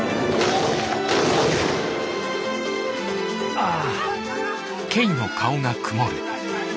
ああ！